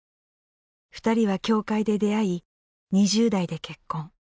２人は教会で出会い２０代で結婚。